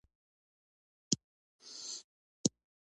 دوی د مبارزاتي قدامت او سابقې دعوه وکړي.